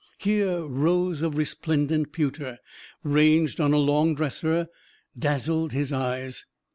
Here, rows of resplendent pewter, ranged on a long dresser, dazzled his eyes.